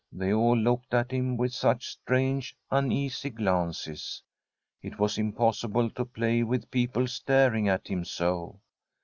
They all looked at him with such strange, uneasy glances. It was impossible to play with peo ple staring at him so.